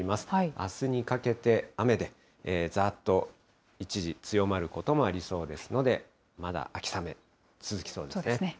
あすにかけて雨で、ざーっと一時、強まることもありそうですので、まだ秋雨、続きそうですね。